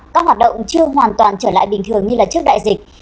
các hoạt động chưa hoàn toàn trở lại bình thường như trước đại dịch